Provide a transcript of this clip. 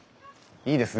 いいですね。